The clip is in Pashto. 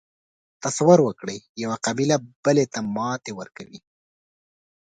تصور وکړئ یوه قبیله بلې ته ماتې ورکوي.